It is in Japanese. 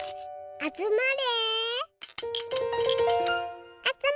あつまれ。